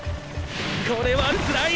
「これはつらい！